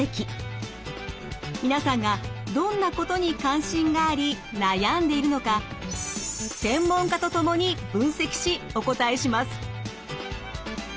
皆さんがどんなことに関心があり悩んでいるのか専門家と共に分析しお答えします。